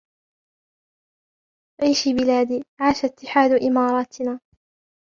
عِيشِي بِلَادِي عَاشَ اتِّحَادُ إِمَارَاتِنَا